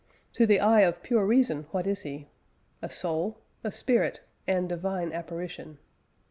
To the eye of pure Reason what is he? A Soul, a Spirit, and divine Apparition."